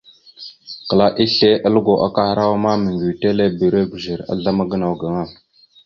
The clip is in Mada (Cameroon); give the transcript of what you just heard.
Kəla asle a lugo kahərawa ma, meŋgʉwetelebire gʉzer azzlam gənaw gaŋa.